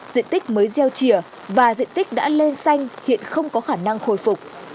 diện tích mới gieo trìa và diện tích đã lên xanh hiện không có khả năng hồi phục